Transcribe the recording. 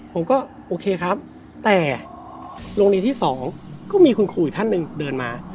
ผมก็โอเคครับแต่โรงเรียนที่๒ก็มีคุณครูอีกท่านหนึ่งเดินมา